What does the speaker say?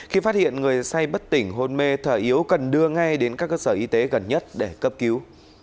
khi phát hiện người say bất tỉnh hôn mê thở yếu cần đưa ngay đến các cơ sở y tế gần nhất để cấp cứu